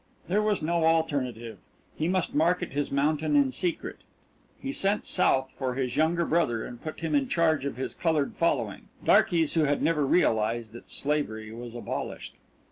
There was no alternative he must market his mountain in secret. He sent South for his younger brother and put him in charge of his coloured following, darkies who had never realised that slavery was abolished.